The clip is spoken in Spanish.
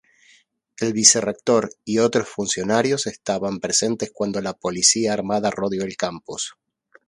El vicerrector y otros funcionarios estaban presentes cuando la policía armada rodeó el campus.